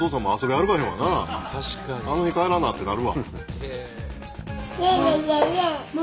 あの日帰らなってなるわ。